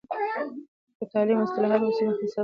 که تعلیم کې اصلاحات وسي، نو فساد به ختم سي.